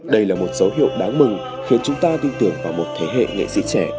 đây là một dấu hiệu đáng mừng khiến chúng ta tin tưởng vào một thế hệ nghệ sĩ trẻ